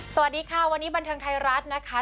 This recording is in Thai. สวัสดีค่ะวันนี้บันเทิงไทยรัฐนะคะ